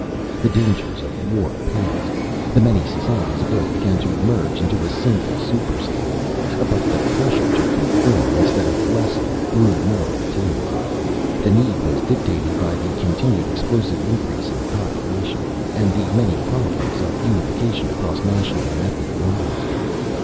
The dangers of war passed. The many societies of Earth began to merge into a single superstate. But the pressure to conform, instead of lessening, grew more intense. The need was dictated by the continued explosive increase in population, and the many problems of unification across national and ethnic lines.